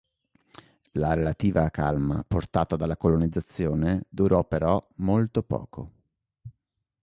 La relativa calma portata dalla colonizzazione durò però molto poco.